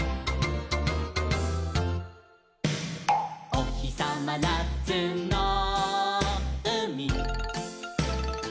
「おひさまなつのうみ」